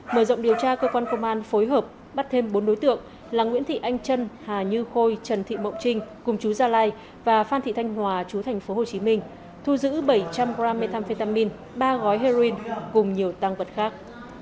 mở rộng điều tra cơ quan công an phối hợp bắt thêm bốn đối tượng là nguyễn thị anh trân hà như khôi trần thị mộng trinh cùng chú gia lai và phan thị thanh hòa chú tp hcm thu giữ bảy trăm linh g methamphetamine ba gói heroin cùng nhiều tăng vật khác